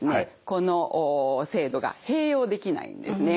この制度が併用できないんですね。